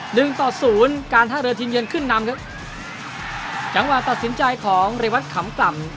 หนึ่งต่อศูนย์การท่าเรือทีมเยือนขึ้นนำครับจังหวะตัดสินใจของเรวัตรขำกล่ำ